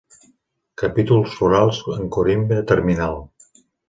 Capítols florals en corimbe terminal.